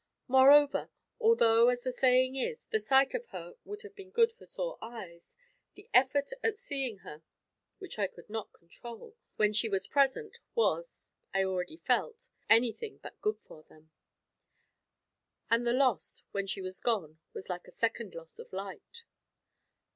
Moreover, although as the saying is, the sight of her would have been good for sore eyes, the effort at seeing her, which I could not control, when she was present, was, I already felt, anything but good for them. And the loss, when she was gone, was like a second loss of light.